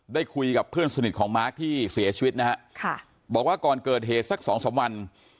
ได้คุยกับเพื่อนสนิทของมาร์คที่เสียชีวิตนะฮะค่ะบอกว่าก่อนเกิดเหตุสักสองสามวัน